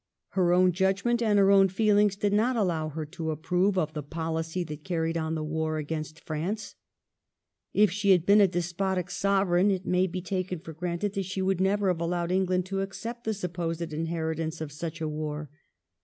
Her own judgment and her own feelings did not allow her to approve of the policy that carried on the war against France. If she had been a despotic Sovereign it may be taken for granted that she would never have allowed England to accept the supposed inheritance of such a war.